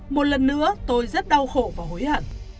một lần nữa tôi rất đau khổ và hối hận